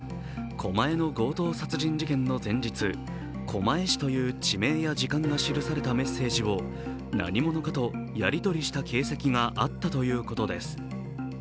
警察が押収した永田容疑者のスマホには狛江の強盗殺人事件の前日、狛江市という地名や時間が記されたメッセージを何者かとやりとりした形跡があったということです。